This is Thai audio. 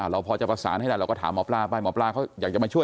เราพอจะประสานให้ได้เราก็ถามหมอปลาไปหมอปลาเขาอยากจะมาช่วย